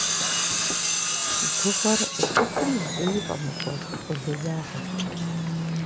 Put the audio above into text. Гугъэр цӀыхум зэи фӀэмыкӀуэд къулеягъэщ.